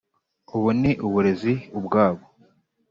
ubu ni uburezi ubwabo.